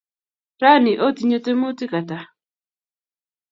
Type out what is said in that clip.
Rani otinye tyemuti ata?